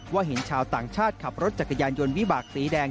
เห็นชาวต่างชาติขับรถจักรยานยนต์วิบากสีแดง